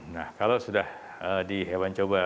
nah kalau sudah di hewan coba